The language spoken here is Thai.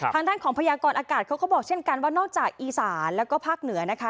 ทางด้านของพยากรอากาศเขาก็บอกเช่นกันว่านอกจากอีสานแล้วก็ภาคเหนือนะคะ